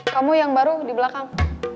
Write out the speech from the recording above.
kamu yang baru di belakang